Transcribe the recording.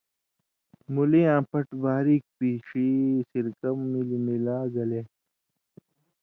مولی یاں پٹہۡ باریک پیݜی سرکہ ملی ملا گلے